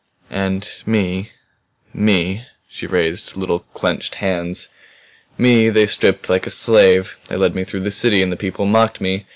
"And me me" she raised little clenched hands "me they stripped like a slave. They led me through the city and the people mocked me.